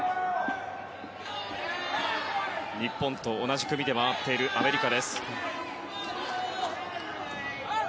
日本と同じ組で回っているアメリカ。